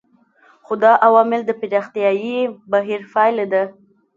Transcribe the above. خو دا عوامل د پراختیايي بهیر پایله ده.